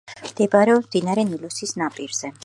მდებარეობს მდინარე ნილოსის ნაპირზე.